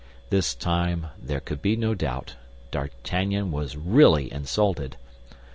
This time there could be no doubt; D'Artagnan was really insulted.